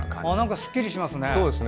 すっきりしますね。